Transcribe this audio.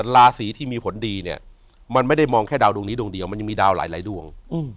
ราศีที่มีผลดีเนี่ยมันไม่ได้มองแค่ดาวดวงนี้ดวงเดียวมันยังมีดาวหลายดวง